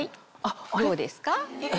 どうですか？